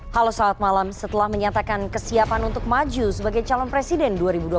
halo selamat malam setelah menyatakan kesiapan untuk maju sebagai calon presiden dua ribu dua puluh